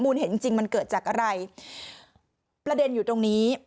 เห็นจริงจริงมันเกิดจากอะไรประเด็นอยู่ตรงนี้